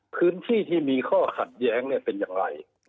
พื้นที่ที่มีข้อขัดแย้งเป็นอย่างไร